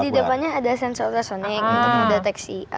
jadi di depannya ada sensor resoning untuk mendeteksi